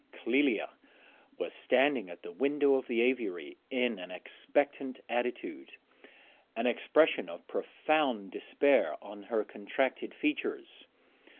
Clélia was standing at the window of the aviary in an expectant attitude, an expression of profound despair on her contracted features.